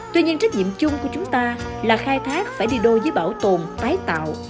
tuy nhiên trách nhiệm chung của chúng ta là khai thác phải đi đôi với bảo tồn tái tạo